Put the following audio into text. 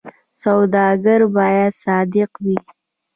سوداګر باید صادق وي